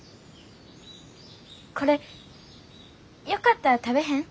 これよかったら食べへん？